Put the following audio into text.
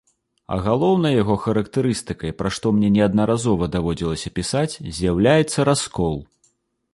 А галоўнай яго характарыстыкай, пра што мне неаднаразова даводзілася пісаць, з'яўляецца раскол.